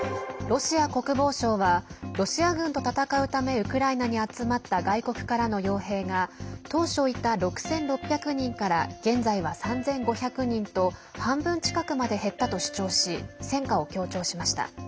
ロシア国防省はロシア軍と戦うためウクライナに集まった外国からのよう兵が当初いた６６００人から現在は３５００人と半分近くまで減ったと主張し戦果を強調しました。